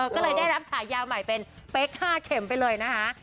ก็เลยได้รับฉายาใหม่เป็นเป๊ก๕เข็มไปเลยนะคะ